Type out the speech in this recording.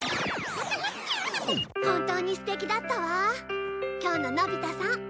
本当に素敵だったわ今日ののび太さん。